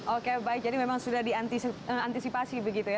oke baik jadi memang sudah diantisipasi begitu ya